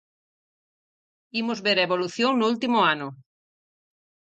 Imos ver a evolución no último ano.